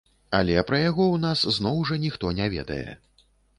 Але пра яго ў нас зноў жа ніхто не ведае.